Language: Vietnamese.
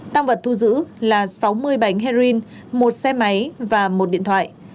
tăng vật thu giữ là sáu mươi bánh heroin một xe máy và một điện thoại